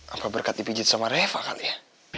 apa berkat dipijit sama reva kali ya